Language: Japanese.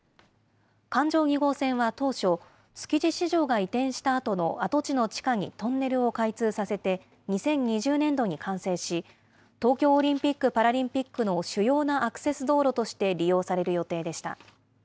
環状２号線は当初、築地市場が移転したあとの跡地の地下にトンネルを開通させて、２０２０年度に完成し、東京オリンピック・パラリンピックの主要なアクセス道路として利用される予定でした。